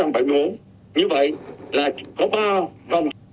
vì vậy là có ba vòng thủ